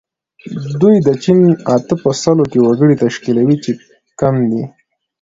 دوی د چین اته په سلو کې وګړي تشکیلوي چې کم دي.